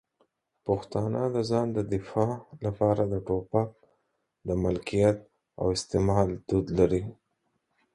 پښتانه د ځان د دفاع لپاره د ټوپک د ملکیت او استعمال دود لري.